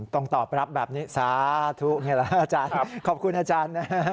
ต้องตอบรับแบบนี้สาธุขอบคุณอาจารย์